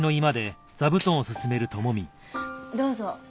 どうぞ。